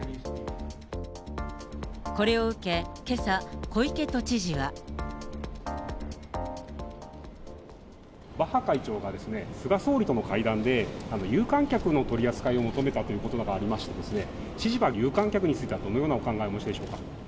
これを受け、けさ、小池都知事は。バッハ会長がですね、菅総理との会談で、有観客の取り扱いを求めたということがありまして、知事は有観客については、どのようなお考えをお持ちでしょうか。